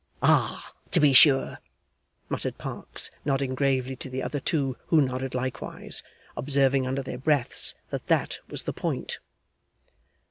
'Ah to be sure!' muttered Parkes, nodding gravely to the other two who nodded likewise, observing under their breaths that that was the point.